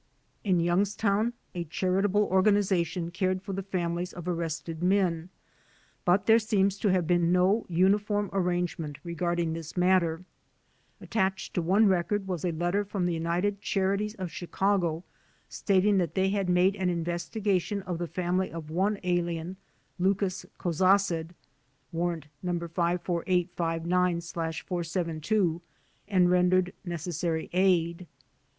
In Yotmgstown a charitable organization cared for the families of arrested men, but there seems to have been no uniform arrangement regarding this matter. Attached to one record was a letter from the United Qiarities of Qiicago, stating that they had made an in vestigation of the family of one alien, Lookis Kozaced (Warrant No. 54859/472), and rendered necessary aid.